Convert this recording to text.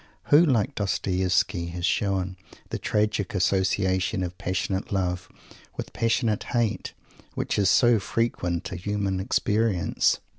Who, like Dostoievsky, has shown the tragic association of passionate love with passionate hate, which is so frequent a human experience?